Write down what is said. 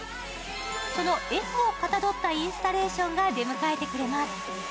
そのＦをかたどったインスタレーションが出迎えてくれます。